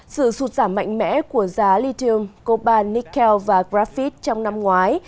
sự sụt giảm mạnh mẽ của giá lithium cobalt nickel và graphite trong năm ngoái